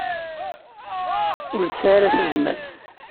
Ur tesɛi ara tazmert.